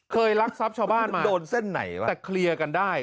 เคยรักทรัพย์ชาวบ้านมาแต่เคลียร์กันได้